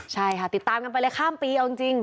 ใช่ค่ะติดตามกันไปเลยข้ามปีเอาจริง